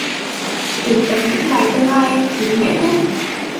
Tuyển tập những bài thơ hay, ý nghĩa nhất